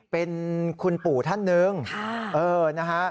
เป็นคุณปู่ท่านหนึ่งนะฮะ